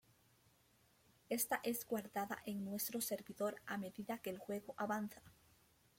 Esta es guardada en nuestro servidor a medida que el juego avanza.